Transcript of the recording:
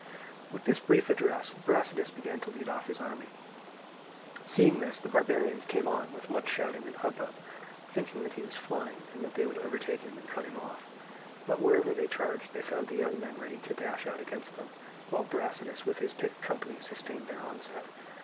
With this brief address Brasidas began to lead off his army. Seeing this, the barbarians came on with much shouting and hubbub, thinking that he was flying and that they would overtake him and cut him off. But wherever they charged they found the young men ready to dash out against them, while Brasidas with his picked company sustained their onset.